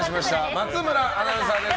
松村アナウンサーです。